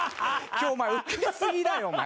今日お前ウケすぎだよお前。